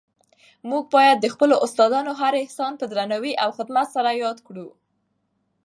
موږ باید د خپلو استادانو هر احسان په درناوي او خدمت سره یاد کړو.